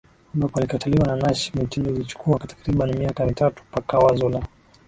ambapo alikataliwa na Nash mitindo Ilichukua takribani miaka mitatu mpaka wazo la